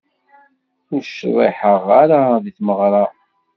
Ur cḍiḥeɣ ara di tmeɣra.